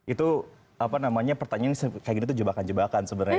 itu apa namanya pertanyaan kayak gitu jebakan jebakan sebenarnya